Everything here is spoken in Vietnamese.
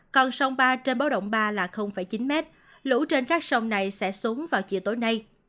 còn sông ba trên báo động ba là chín m lũ trên các sông này sẽ xuống vào chiều tối nay